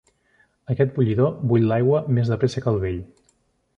Aquest bullidor bull l'aigua més de pressa que el vell.